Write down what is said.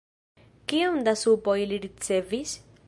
Kiom da supo ili ricevis?